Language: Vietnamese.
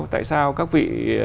tại sao các vị